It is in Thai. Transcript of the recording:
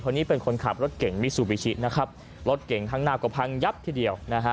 นี้เป็นคนขับรถเก่งมิซูบิชินะครับรถเก่งข้างหน้าก็พังยับทีเดียวนะฮะ